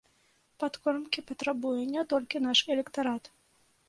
Падкормкі патрабуе не толькі наш электарат.